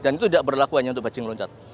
dan itu tidak berlaku hanya untuk bajeng loncat